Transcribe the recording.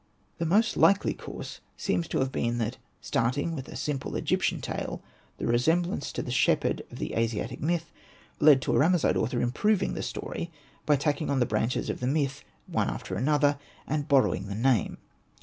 The most likely course seems to have been that, starting with a simple Egyptian tale, the resemblance to the shepherd of the Asiatic myth, led to a Ramesside author improving the story by tacking on the branches of the myth one after another, and borrowing the name.